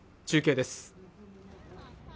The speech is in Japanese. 中継です